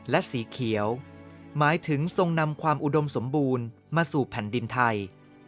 และสีเขียวหมายถึงทรงนำความอุดมสมบูรณ์มาสู่แผ่นดินไทย